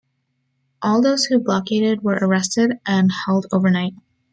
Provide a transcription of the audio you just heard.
All those who blockaded were arrested and held overnight.